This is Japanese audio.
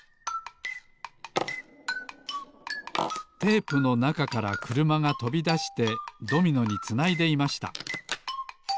テープのなかからくるまがとびだしてドミノにつないでいました